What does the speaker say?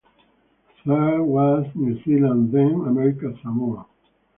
Third was New Zealand then America Samoa.